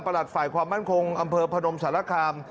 ประหลัดฝ่ามั่นฎาณคงอพนมสารคาม